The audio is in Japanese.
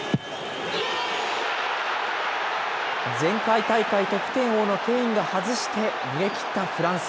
前回大会得点王のケインが外して逃げきったフランス。